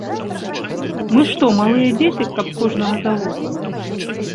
Мы што, малыя дзеці, каб кожнага за вуха?